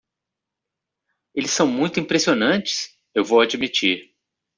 Eles são muito impressionantes? eu vou admitir.